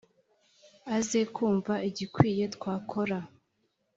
Aze kumva igikwiye twakora.